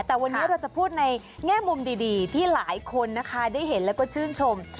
แต่วันนี้เราจะพูดในแง่มุมดีที่หลายคนนะคะได้เห็นแล้วก็ชื่นชม